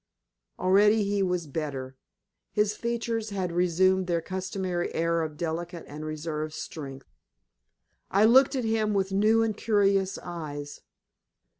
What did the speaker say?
Already he was better. His features had reassumed their customary air of delicate and reserved strength. I looked at him with new and curious eyes.